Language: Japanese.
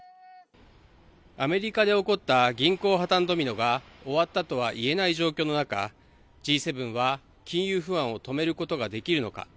アメリカで起こった銀行破綻ドミノが終わったとは言えない状況の中、Ｇ７は金融不安を止めることはできるのか。